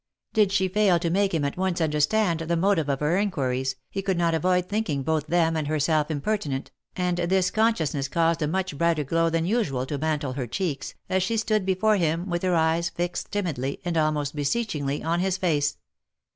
Did she fail to make him at once under stand the motive of her inquiries, he could not avoid thinking both them and herself impertinent, and this consciousness caused a muck brighter glow than usual to mantle her cheeks, as she stood before him, with her eyes fixed timidly, and almost beseechingly, on his face.